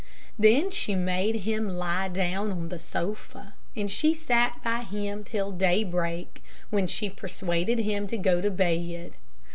Then she made him lie down on the sofa, and she sat by him till day break, when she persuaded him to go to bed.